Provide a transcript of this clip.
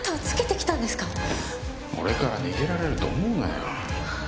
俺から逃げられると思うなよ。